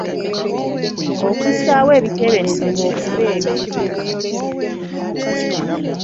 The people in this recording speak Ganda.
Okussaawo ebiteeberezebwa okuba ebizibu.